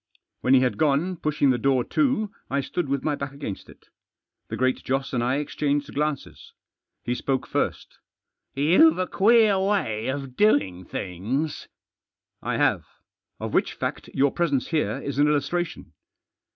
When he had gone, pushing the door to I stood with my back against it. The Great Joss and I exchanged glances. Jle spoke first, " You've a queer way of doing things." " I have. Of which fact your presence here is an illustration."